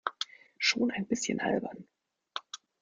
Schon ein bisschen albern.